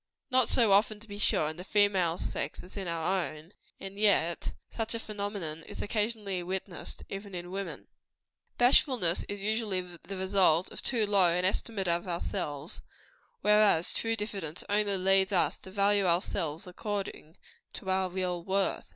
Not so often, to be sure, in the female sex, as in our own; and yet such a phenomenon is occasionally witnessed, even in woman. Bashfulness is usually the result of too low an estimate of ourselves; whereas, true diffidence only leads us to value ourselves according to our real worth.